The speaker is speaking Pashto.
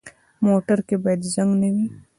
موټر کې باید زنګ نه وي.